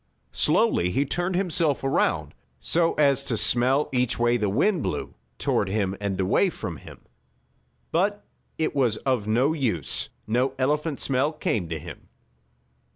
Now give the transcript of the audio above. Slowly he turned himself around, so as to smell each way the wind blew, toward him and from him. But it was of no use. No elephant smell came to him.